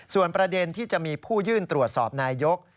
ส่วนประเด็นที่จะมีผู้ยื่นตรวจสอบนายก